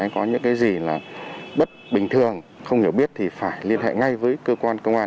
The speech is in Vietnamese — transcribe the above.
có những cái gì là bất bình thường không hiểu biết thì phải liên hệ ngay với cơ quan công an